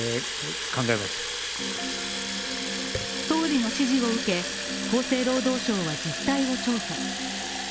総理の指示を受け、厚生労働省は実態を調査。